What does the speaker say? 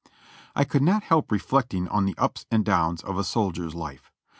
I could not help reflecting on the ups and downs of a soldier's life.